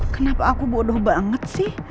kenapa aku bodoh banget sih